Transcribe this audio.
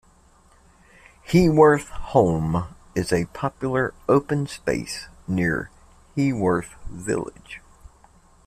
Heworth Holme is a popular open space near Heworth village.